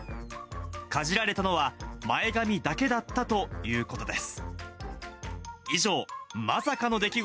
かじられたのは、前髪だけだったということです。